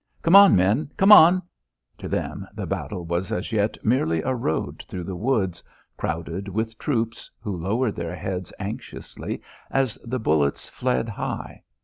"Come on, men! Come on!" To them the battle was as yet merely a road through the woods crowded with troops, who lowered their heads anxiously as the bullets fled high.